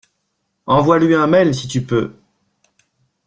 Envoie-lui un mail si tu peux.